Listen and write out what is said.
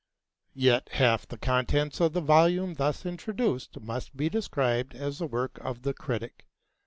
Yet half the contents of the volume thus introduced must be described as the work of the critic.